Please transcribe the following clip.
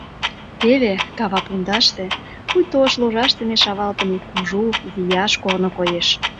Теве, кава пундаште, пуйто ош ложаш дене шавалтыме кужу, вияш корно коеш.